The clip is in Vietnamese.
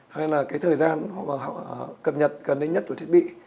hay là cái thời gian cập nhật gần đến nhất của thiết bị